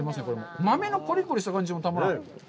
豆のコリコリした感じもたまらない。